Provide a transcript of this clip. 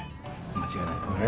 間違いないと思います。